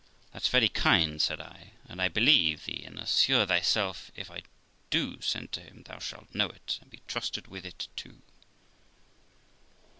'That's very kind', said I; 'and I believe theej and assure thyself, if I do send to him, thou shalt know it, and be trusted with it too.'